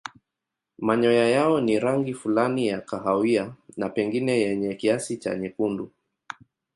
Manyoya yao ni rangi fulani ya kahawia na pengine yenye kiasi cha nyekundu.